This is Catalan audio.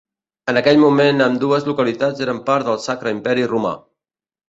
En aquell moment ambdues localitats eren part del Sacre Imperi Romà.